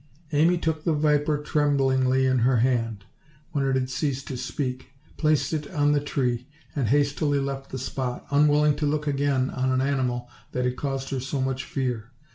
Amy took the viper tremblingly in her hand when it had ceased to speak, placed it on the tree, and hastily left the spot, unwilling to look again on an animal that had caused her so much fear.